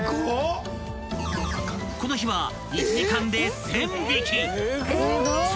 ［この日は］